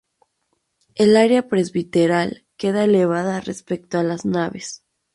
El área presbiteral queda elevada respecto a las naves.